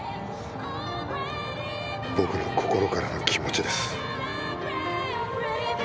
僕の心からの気持ちです。